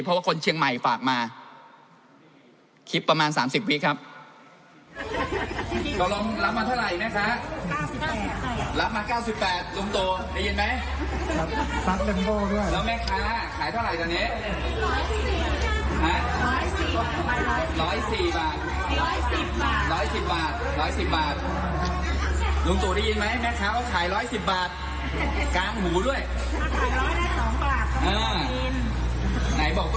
เพราะว่าคนเชียงใหม่ฝากมาคลิปประมาณ๓๐วิครับ